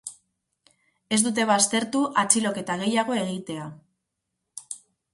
Ez dute baztertu atxiloketa gehiago egitea.